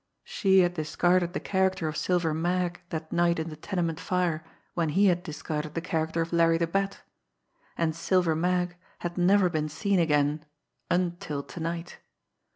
She had discarded the character of "Silver Mag" that night in the tenement fire when he had discarded the character of "Larry the Bat" and "Silver Mag" had never been seen again until to night.